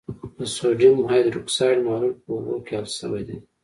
د سوډیم هایدروکسایډ محلول په اوبو کې حل شوی دی.